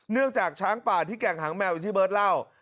จากช้างป่าที่แก่งหางแมวอย่างที่เบิร์ตเล่า